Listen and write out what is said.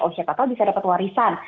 oh siapa tahu bisa dapat warisan